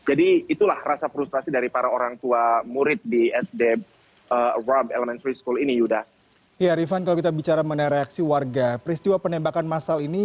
ada dua puluh satu salib yang melambangkan dua puluh satu korban tewas dalam peristiwa penembakan masal ini